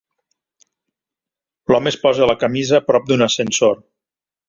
L'home es posa la camisa prop d'un ascensor.